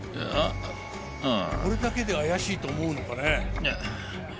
これだけで怪しいと思うのかね。